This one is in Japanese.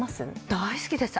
大好きです。